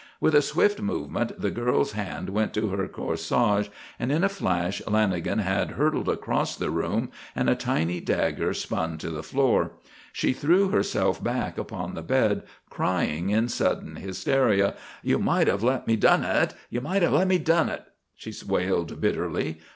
With a swift movement the girl's hand went to her corsage and in a flash Lanagan had hurtled across the room and a tiny dagger spun to the floor. She threw herself back upon the bed, crying in sudden hysteria: "You might have let me done it! You might have let me done it!" she wailed bitterly.